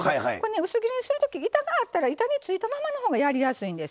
薄切りにするとき板があったら板についたままのほうがやりやすいんです。